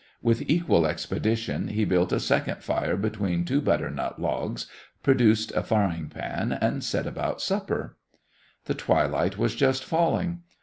With equal expedition he built a second fire between two butternut logs, produced a frying pan, and set about supper. The twilight was just falling.